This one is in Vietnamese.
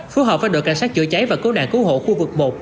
phù hợp với đội cảnh sát chữa cháy và cứu nạn cứu hộ khu vực một